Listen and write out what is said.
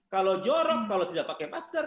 kalau jorong kalau tidak pakai masker